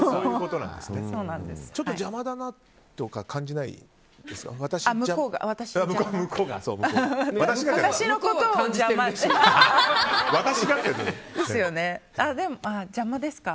ちょっと邪魔だなとか感じないですか？